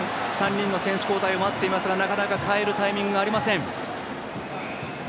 ３人の選手交代も待っていますがなかなか、代えるタイミングがありません。